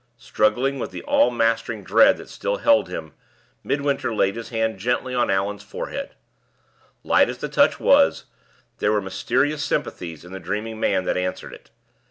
Struggling with the all mastering dread that still held him, Midwinter laid his hand gently on Allan's forehead. Light as the touch was, there were mysterious sympathies in the dreaming man that answered it.